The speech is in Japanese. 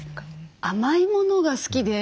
甘い物が好きで。